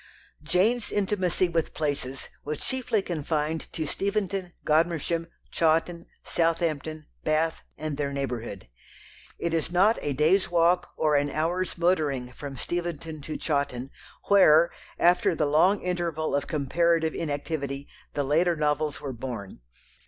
Jane's intimacy with places was chiefly confined to Steventon, Godmersham, Chawton, Southampton, Bath, and their neighbourhood. It is not a day's walk or an hour's motoring from Steventon to Chawton, where, after the long interval of comparative inactivity, the later novels were "born."